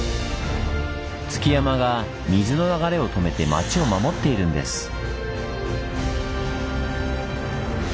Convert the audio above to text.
築山が水の流れを止めて町を守っているんです。